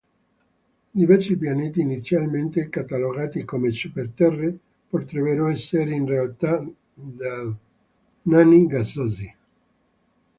Diversi pianeti inizialmente catalogati come super Terre potrebbero essere in realtà dei nani gassosi.